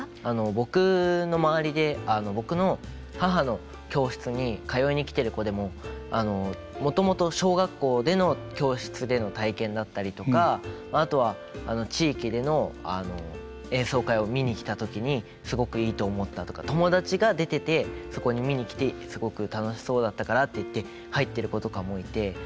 僕の周りで僕の母の教室に通いに来てる子でももともと小学校での教室での体験だったりとかあとは地域での演奏会を見に来た時にすごくいいと思ったとか友達が出ててそこに見に来てすごく楽しそうだったからっていって入ってる子とかもいて。